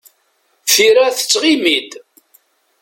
Tira tettɣimi-d.